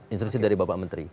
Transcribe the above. instruksi dari bapak menteri